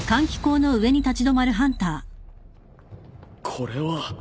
これは。